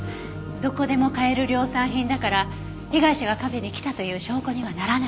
どこでも買える量産品だから被害者がカフェに来たという証拠にはならない。